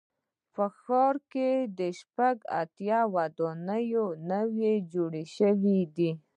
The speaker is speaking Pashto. په ښار کې شپږ اتیا ودانۍ نوي جوړې شوې دي.